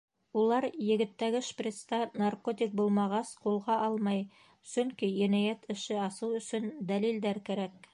Улар, егеттәге шприцта наркотик булмағас, ҡулға алмай, сөнки енәйәт эше асыу өсөн дәлилдәр кәрәк.